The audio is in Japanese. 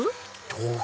豆腐！